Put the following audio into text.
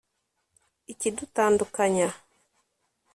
Ikidutandukanya